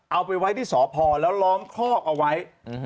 เอาไปไว้ที่สพแล้วล้อมคอกเอาไว้